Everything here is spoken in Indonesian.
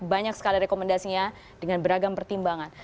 banyak sekali rekomendasinya dengan beragam pertimbangan